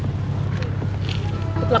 sayang mama pergi dulu ya